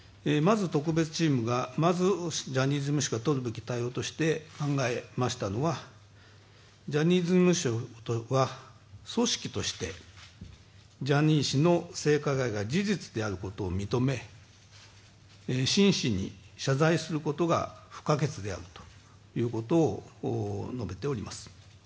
まずジャニーズ事務所がとるべき対応として考えましたのはジャニーズ事務所とは、組織としてジャニー氏の性加害が事実であることを認め真摯に謝罪することが不可欠であるということを述べております。